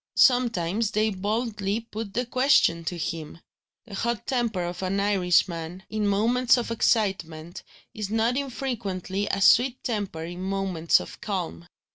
Sometimes they boldly put the question to him. The hot temper of an Irishman, in moments of excitement, is not infrequently a sweet temper in moments of calm.